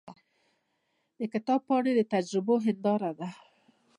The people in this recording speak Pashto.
د کتاب پاڼې د تجربو هنداره ده.